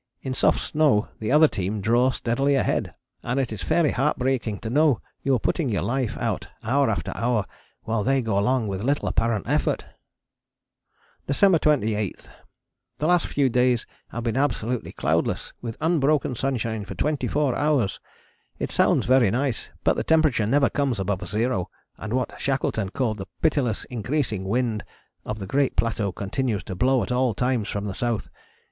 In soft snow the other team draw steadily ahead, and it is fairly heart breaking to know you are putting your life out hour after hour while they go along with little apparent effort. December 28. The last few days have been absolutely cloudless, with unbroken sunshine for twenty four hours. It sounds very nice, but the temperature never comes above zero and what Shackleton called "the pitiless increasing wind" of the great plateau continues to blow at all times from the south.